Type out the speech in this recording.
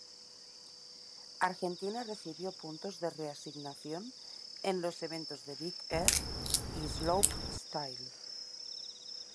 Argentina recibió puntos de reasignación en los eventos de Big Air y slopestyle.